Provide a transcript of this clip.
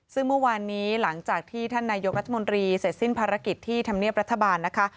ซึ่งเมื่อวานนี้หลังจากที่ท่านนายกรัฐมนตรีเสร็จสิ้นภารกิจที่ธรรมเนียบรัฐบาลนะคะ